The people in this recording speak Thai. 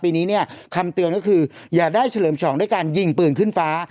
ปีนี้เนี่ยคำเตือนก็คืออย่าได้เฉลิมฉลองด้วยการยิงปืนขึ้นฟ้า